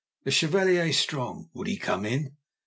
The CHEVALIER STRONG. (Would he come in?)